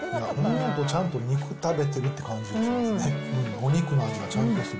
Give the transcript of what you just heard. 本当、ちゃんと肉食べてるって感じがしますね。